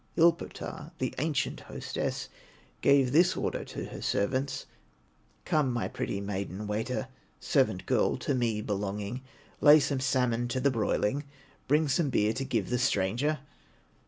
Ilpotar, the ancient hostess, Gave this order to her servants: "Come, my pretty maiden waiter, Servant girl to me belonging, Lay some salmon to the broiling, Bring some beer to give the stranger!"